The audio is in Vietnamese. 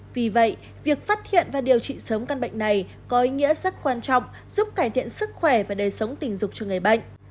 vì vậy việc phát hiện và điều trị sớm căn bệnh này có ý nghĩa rất quan trọng giúp cải thiện sức khỏe và đời sống tình dục cho người bệnh